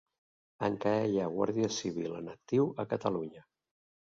Encara hi ha Guàrdia Civil en actiu a Catalunya